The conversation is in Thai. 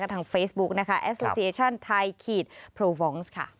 ทางเฟซบุ๊กแอสโซเซียชันไทยโพรวองซ์